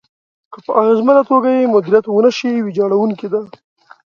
که په اغېزمنه توګه يې مديريت ونشي، ويجاړونکې ده.